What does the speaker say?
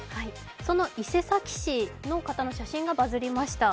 その伊勢崎市の方の写真がバズりました。